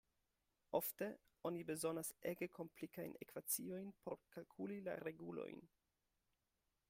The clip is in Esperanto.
Ofte oni bezonas ege komplikajn ekvaciojn por kalkuli la regulojn.